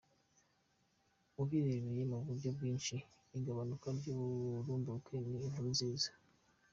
Ubirebeye mu buryo bwinshi, igabanuka ry'uburumbuke ni inkuru nziza.